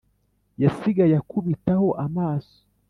yasigaye akubita ho amaso